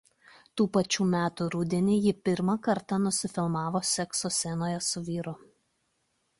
Tų pačių metų rudenį ji pirmą kartą nusifilmavo sekso scenoje su vyru.